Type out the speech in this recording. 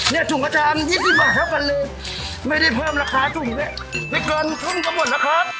เนี่ยสุ่มกระจาน๒๐บาทเท่ากันเลยไม่ได้เพิ่มราคาสุ่มไว้ไม่เกินทุ่มกระบวนนะครับ